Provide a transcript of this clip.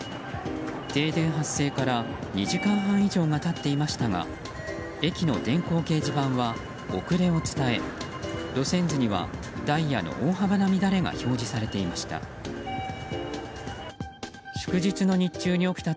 停電発生から２時間半以上が経っていましたが駅の電光掲示板は遅れを伝え路線図にはダイヤの大幅な乱れが表示されていました。